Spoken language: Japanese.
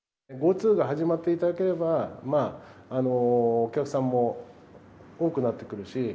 ＧｏＴｏが始まっていただければ、お客さんも多くなってくるし。